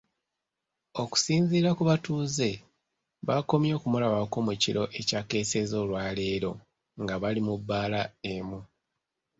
Okusinziira ku batuuze, bakomye okumulabako mu kiro ekyakeesezza olwaleero nga bali mu bbaala emu.